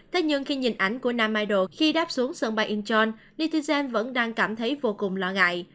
thế nhưng khi nhìn ảnh của nam idol khi đáp xuống sân bay incheon netizen vẫn đang cảm thấy vô cùng lo ngại